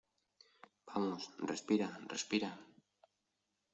vamos, respira , respira.